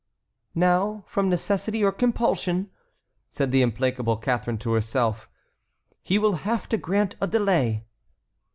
"Now, from necessity or compulsion," said the implacable Catharine to herself, "he will have to grant a delay."